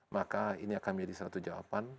maka ini akan menjadi satu jawaban